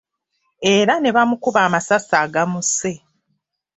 Era ne bamukuba amasasi agamusse.